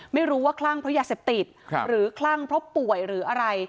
ไม่รู้ว่าคลั่งเพราะยาเสพติดหรือคลั่งเพราะป่วยหรืออะไร